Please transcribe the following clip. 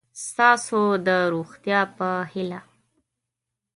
ستاسو د روغتیا په هیله